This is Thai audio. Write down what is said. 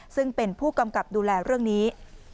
ซึ่งเป็นผู้กำกับดูแลเรื่องนี้